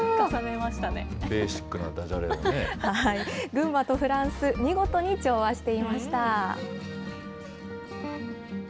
群馬とフランス、見事に調和していました。